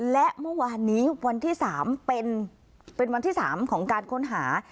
และเมื่อวานนี้วันที่๓เป็นวันที่๓ของการค้นหา